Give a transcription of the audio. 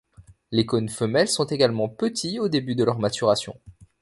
Les cônes femelles sont également petits au début de leur maturation.